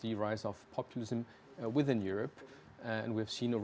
terutama di level pemerintah